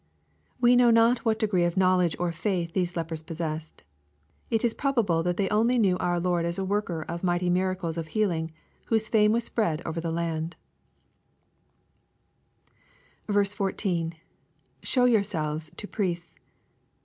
] We know not what degree of knowledge or faith these lepers possessed. It is probable that they only knew our Lord as a worker of mighty miracles of heal ing, whose fame was spread over the land, 14. — [Show yourselves to priests.